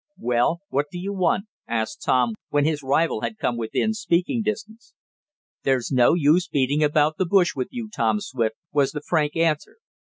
"Well, what do you want?" asked Tom, when, his rival had come within speaking distance. "There's no use beating about the bush with you, Tom Swift," was the frank answer.